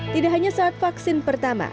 tidak hanya saat vaksin pertama